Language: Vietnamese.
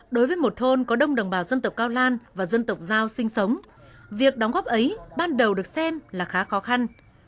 đối với một thôn có đông đồng bào dân tộc cao lan và dân tộc giao sinh sống việc đóng góp ấy ban đầu được xem là khá khó khăn